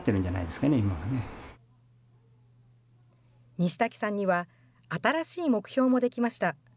西滝さんには、新しい目標もできました。